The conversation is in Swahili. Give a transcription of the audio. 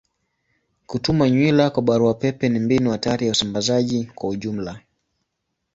Kutuma nywila kwa barua pepe ni mbinu hatari ya usambazaji kwa ujumla.